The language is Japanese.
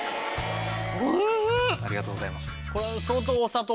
ありがとうございます。